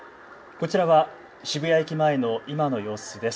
こちらは渋谷駅前の今の様子です。